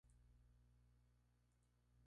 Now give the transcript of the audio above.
Las flores de color amarillo verdoso a crema.